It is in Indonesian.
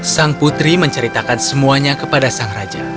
sang putri menceritakan semuanya kepada sang raja